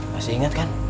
masih ingat kan